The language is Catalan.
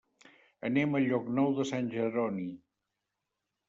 Anem a Llocnou de Sant Jeroni.